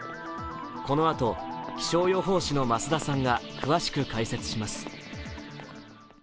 このあと、気象予報士の増田さんが詳しく解説します。